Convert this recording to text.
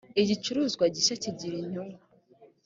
igicuruzwa gishya kigiri inyungu.